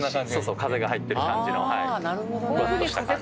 風が入ってる感じのふわっとした感じ。